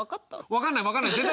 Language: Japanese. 分かんない分かんない全然。